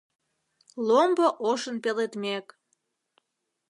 Ломбо ошын пеледмек